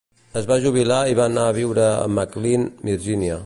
Es va jubilar i va anar a viure a McLean, Virgínia.